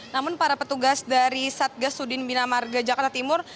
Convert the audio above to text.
namun para petugas dari satgasudin binamarga jakarta timur